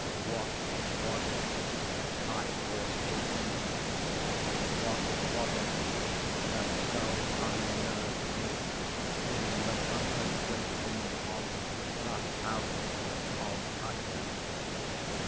What was it—I paused to think—what was it that so unnerved me in the contemplation of the House of Usher?